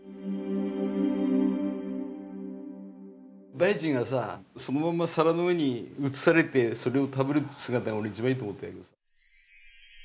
大地がさそのまま皿の上に移されてそれを食べる姿が俺一番いいと思っている。